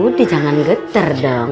yaudah jangan geter dong